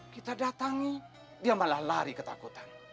kita datangi dia malah lari ketakutan